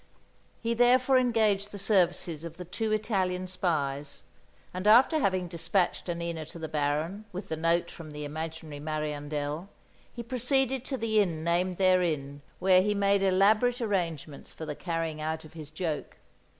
He therefore engaged the services of the two Italian spies; and after having despatched Annina to the Baron with the note from the imaginary "Mariandel," he proceeded to the inn named therein, where he made elaborate arrangements for the carrying out of his joke.